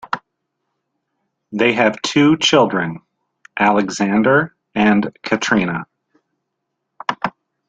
They have two children, Alexander and Katrina.